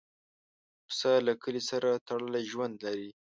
پسه له کلي سره تړلی ژوند لري.